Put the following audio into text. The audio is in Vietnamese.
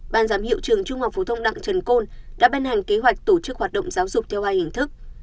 ban giám hiệu trường trung học phổ thông đặng trần côn đã ban hành kế hoạch tổ chức hoạt động giáo dục theo hai hình thức